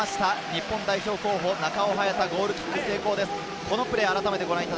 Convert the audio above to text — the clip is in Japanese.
日本代表候補・中尾隼太、ゴールキック成功です。